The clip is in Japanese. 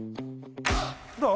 どう？